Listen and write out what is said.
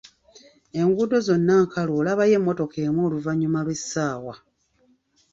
Enguuddo zonna nkalu olabayo emmotoka emu oluvannyuma lw'essaawa.